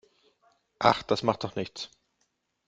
Ach, das macht doch nichts.